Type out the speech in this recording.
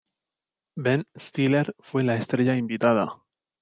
Ben Stiller fue la estrella invitada.